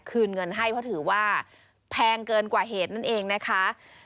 คืนเงินให้เพราะถือว่าแพงเกินกว่าเหตุนั่นเองนะคะ